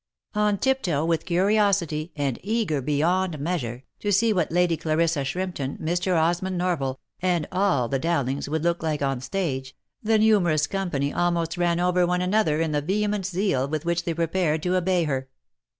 On tiptoe with curiosity, and eager beyond measure, to see what Lady Clarissa Shrimpton, Mr. Osmond Norval, and " all the Dow lings " would look like on the stage, the numerous company almost ran over one another in the vehement zeal with which they prepared to obey her.